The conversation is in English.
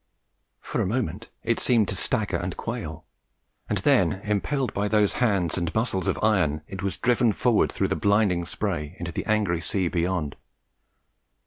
For a moment it seemed to stagger and quail, and then, impelled by those hands and muscles of iron, it was driven forward through the blinding spray into the angry sea beyond.